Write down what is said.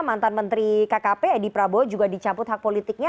mantan menteri kkp edi prabowo juga dicabut hak politiknya